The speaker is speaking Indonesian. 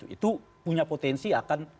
itu punya potensi akan